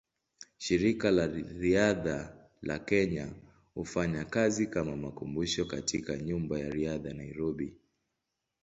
Shirika la Riadha la Kenya hufanya kazi kama makumbusho katika Nyumba ya Riadha, Nairobi.